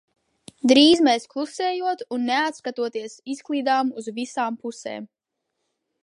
Dr?z m?s klus?jot un neatskatoties izkl?d?m uz vis?m pus?m.